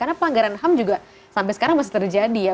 karena pelanggaran ham juga sampai sekarang masih terjadi ya